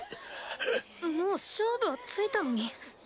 もう勝負はついたのに？